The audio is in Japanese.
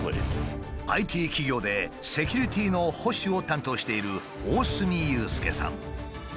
ＩＴ企業でセキュリティーの保守を担当している大角祐介さん。